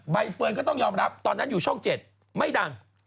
เฟิร์นก็ต้องยอมรับตอนนั้นอยู่ช่อง๗ไม่ดัง